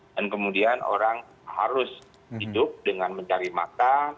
dan kemudian orang harus hidup dengan mencari makan